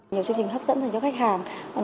nhiều chương trình hấp dẫn dành cho khách hàng